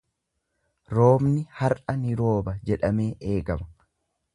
Roobni har'a ni rooba jedhamee eegama.